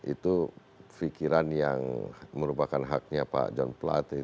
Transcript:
itu fikiran yang merupakan haknya pak jon platt